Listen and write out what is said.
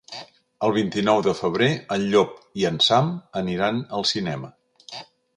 El vint-i-nou de febrer en Llop i en Sam aniran al cinema.